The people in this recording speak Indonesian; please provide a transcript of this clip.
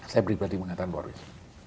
saya pribadi mengatakan waris